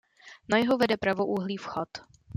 Na jihu vede pravoúhlý vchod.